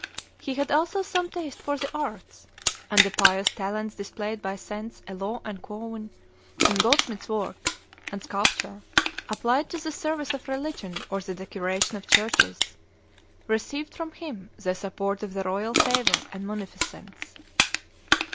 He had also some taste for the arts, and the pious talents displayed by Saints Eloi and Ouen in goldsmith's work and sculpture, applied to the service of religion or the decoration of churches, received from him the support of the royal favor and munificence.